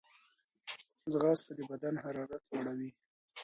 ځغاسته د بدن حرارت لوړوي